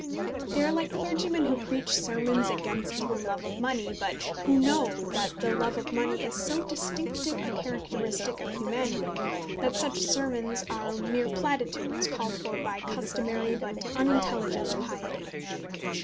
They are like clergymen who preach sermons against the love of money, but who know that the love of money is so distinctive a characteristic of humanity that such sermons are mere platitudes called for by customary but unintelligent piety.